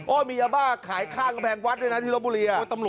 โอ้ยมียาบ้าขายข้างกระแพงวัดด้วยนะที่สระบุรีอ่ะ